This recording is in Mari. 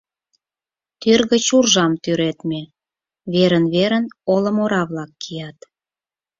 Тӱр гыч уржам тӱредме, верын-верын олым ора-влак кият.